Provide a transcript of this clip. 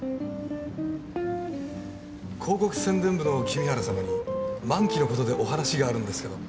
広告宣伝部の君原様に満期の事でお話があるんですけど。